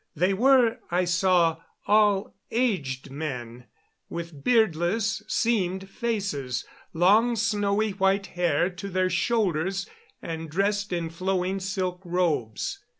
They were, I saw, all aged men, with beardless, seamed faces, long snowy white hair to their shoulders, and dressed in flowing silk robes.